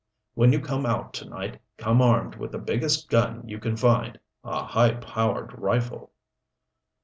When you come out to night come armed with the biggest gun you can find a high powered rifle."